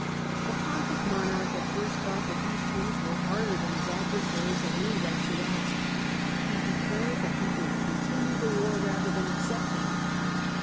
SULLA 136 The Pontic monarch at first thought that these terms were harder than his adversaries had any right to ask. He declared that he would continue the war rather than accept them.